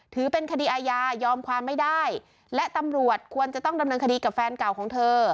ถือเป็นคดีอาญายอมความไม่ได้และตำรวจควรจะต้องดำเนินคดีกับแฟนเก่าของเธอ